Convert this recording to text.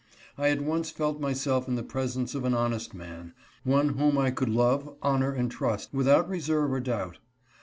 I at once felt myself in the presence of an honest man — one whom I could love, honor, and trust without reserve or doubt.